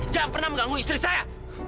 jangan pernah mengganggu istri saya